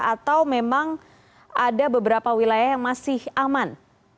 atau memang ada beberapa wilayah yang masih aman